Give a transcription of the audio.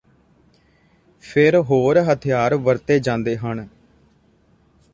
ਫਿਰ ਹੋਰ ਹਥਿਆਰ ਵਰਤੇ ਜਾਂਦੇ ਹਨ